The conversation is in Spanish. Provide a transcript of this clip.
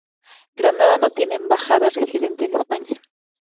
Granada no tiene Embajada residente en España.